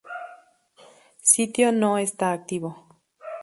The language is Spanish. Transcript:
Sitio no está activo.